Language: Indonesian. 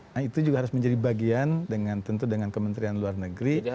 nah itu juga harus menjadi bagian dengan tentu dengan kementerian luar negeri